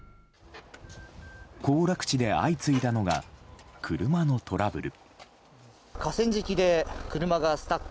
行楽地で相次いだのが車のトラブル。